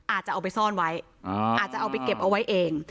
อาจจะเอาไปซ่อนไว้อาจจะเอาไปเก็บเอาไว้เอง